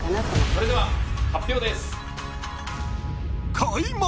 それでは発表です。